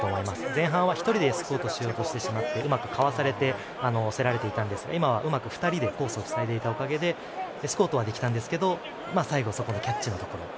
前半は１人でエスコートしようとしてうまくかわされて競られていたんですが今のはうまく２人でコースを塞いでいたおかげでエスコートはできましたが最後のキャッチのところで。